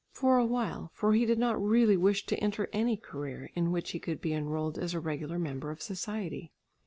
For a while, for he did not really wish to enter any career in which he could be enrolled as a regular member of society.